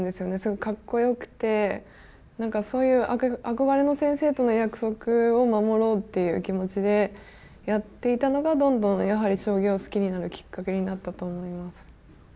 すごいかっこよくて何かそういう憧れの先生との約束を守ろうっていう気持ちでやっていたのがどんどんやはり将棋を好きになるきっかけになったと思います。